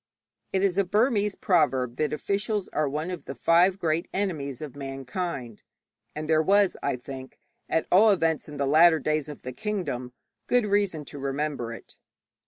It is a Burmese proverb that officials are one of the five great enemies of mankind, and there was, I think (at all events in the latter days of the kingdom) good reason to remember it.